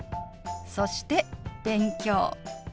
そして「勉強」。